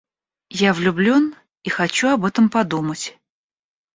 Я влюблён и хочу об этом подумать.